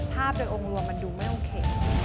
ภาพโดยองค์รวมมันดูไม่โอเค